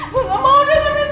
gue gak mau dengerin lo lagi